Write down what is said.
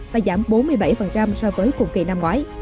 và giảm bốn mươi bảy so với cùng kỳ năm ngoái